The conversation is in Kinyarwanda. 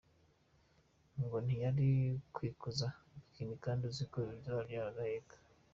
Ngo ntiyari kwikoza Bikini kandi aziko azabyara agaheka.